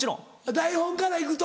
台本から行くと。